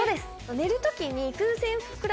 寝る時に。